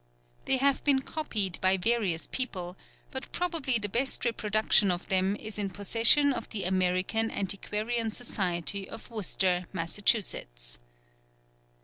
They have been copied by various people; but probably the best reproduction of them is in possession of the American Antiquarian Society of Worcester, Mass.